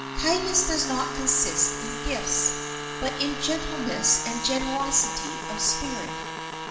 Kindness does not consist in gifts, but in gentleness and generosity of spirit.